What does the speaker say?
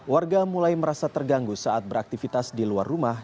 warga mulai merasa terganggu saat beraktivitas di luar rumah